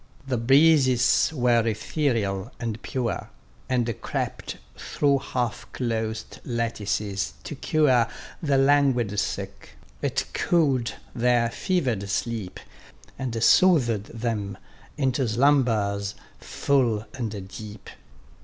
The breezes were ethereal, and pure, And crept through half closed lattices to cure The languid sick; it cool'd their fever'd sleep, And soothed them into slumbers full and deep.